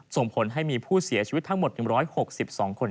ส่งผลให้มีผู้เสียชีวิตทั้งหมด๑๖๒คน